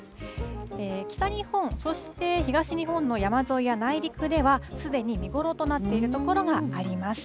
北日本、そして東日本の山沿いや内陸では、すでに見頃となっている所があります。